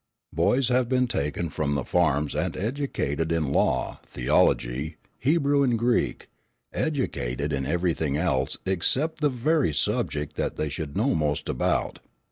Boys have been taken from the farms and educated in law, theology, Hebrew and Greek, educated in everything else except the very subject that they should know most about.